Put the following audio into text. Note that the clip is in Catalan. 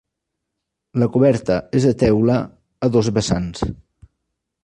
La coberta és de teula, a dos vessants.